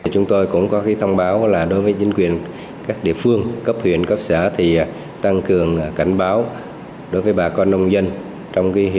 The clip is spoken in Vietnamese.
chúng tôi cũng có thông báo là đối với chính quyền các địa phương cấp huyện cấp xã thì tăng cường cảnh báo đối với bà con nông dân